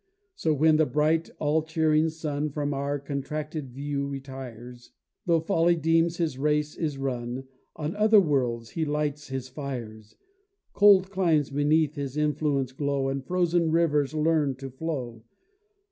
So, when the bright, all cheering sun From our contracted view retires, Though folly deems his race is run, On other worlds he lights his fires: Cold climes beneath his influence glow, And frozen rivers learn to flow.